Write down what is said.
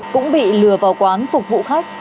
cũng bị lừa vào quán phục vụ khách